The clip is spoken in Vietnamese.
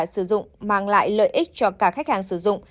sử dụng mang lại lợi ích cho cả khách hàng sử dụng